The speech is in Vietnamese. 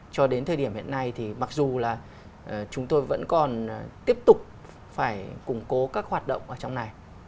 cho đến thời điểm hiện nay thì mặc dù là chúng tôi vẫn còn tiếp tục phải củng cố các hoạt động ở trong này